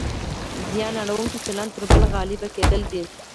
زیان اړونکی چلند پر بل غالب کېدل دي.